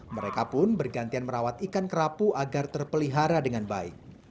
mereka pun bergantian merawat ikan kerapu agar terpelihara dengan baik